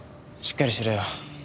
しっかりしろよ。